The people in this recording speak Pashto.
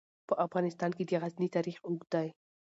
په افغانستان کې د غزني تاریخ اوږد دی.